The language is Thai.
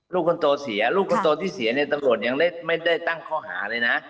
ลูกคนโตเสียลูกคนโตที่เสียเนี่ยตำรวจยังไม่ได้ตั้งข้อหาเลยนะ